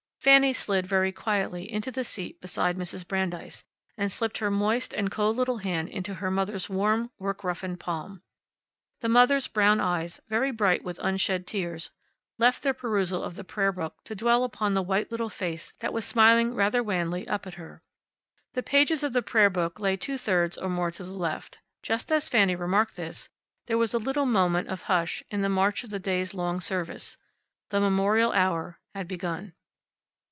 Fanny slid very quietly into the seat beside Mrs. Brandeis, and slipped her moist and cold little hand into her mother's warm, work roughened palm. The mother's brown eyes, very bright with unshed tears, left their perusal of the prayer book to dwell upon the white little face that was smiling rather wanly up at her. The pages of the prayer book lay two thirds or more to the left. Just as Fanny remarked this, there was a little moment of hush in the march of the day's long service. The memorial hour had begun.